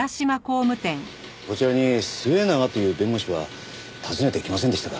こちらに末永という弁護士は訪ねてきませんでしたか？